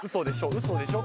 ウソでしょ？